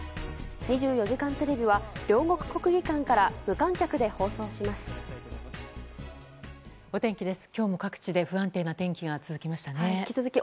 「２４時間テレビ」は両国国技館から無観客で放送します。